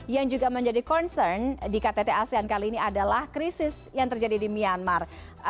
yang juga menjadi concern di ktt asean kali ini adalah krisis yang terjadi di myanmar